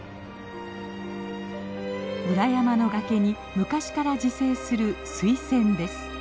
裏山の崖に昔から自生するスイセンです。